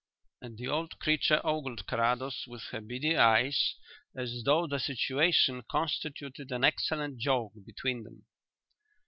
and the old creature ogled Carrados with her beady eyes as though the situation constituted an excellent joke between them.